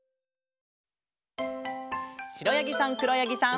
しろやぎさんくろやぎさん。